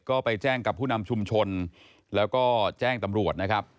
ก็ไปแจ้งกับผู้นำชุมชนแล้วก็แจ้งตำรวจนะครับ